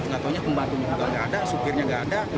gak taunya pembantu juga gak ada sopirnya gak ada